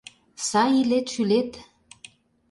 Сай илет-шӱлет!